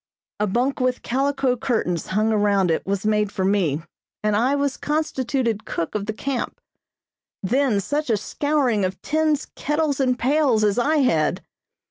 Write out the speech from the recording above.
A bunk with calico curtains hung around it was made for me, and I was constituted cook of the camp. Then such a scouring of tins, kettles and pails as I had!